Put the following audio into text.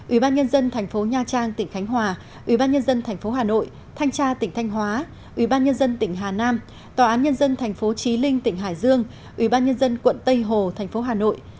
ủy ban nhân dân tp nha trang tỉnh khánh hòa ủy ban nhân dân tp hà nội thanh tra tỉnh thanh hóa ủy ban nhân dân tp hà nam tòa án nhân dân tp trí linh tỉnh hải dương ủy ban nhân dân tp tây hồ tỉnh hà nội